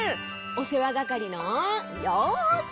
おせわがかりのようせい！